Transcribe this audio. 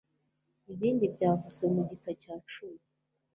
ibindi byavuzwe mu gika cya cumi